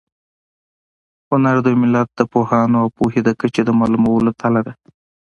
هنر د یو ملت د پوهانو او پوهې د کچې د معلومولو تله ده.